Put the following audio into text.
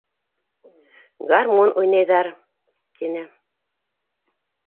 Гармун уйнайҙар, — тине.